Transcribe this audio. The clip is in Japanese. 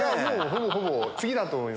ほぼほぼ次だと思います。